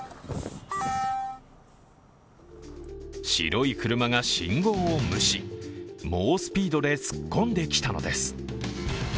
白い車が信号を無視、猛スピードで突っ込んできたのです。